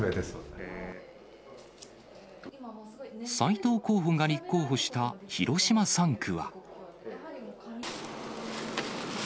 斉藤候補が立候補した広島３区は。